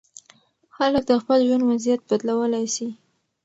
خلک د خپل ژوند وضعیت بدلولی سي.